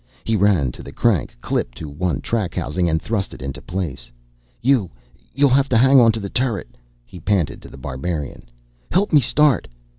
He ran to the crank clipped to one track housing and thrust it into place. "You you'll have to hang onto turret," he panted to The Barbarian. "Help me start."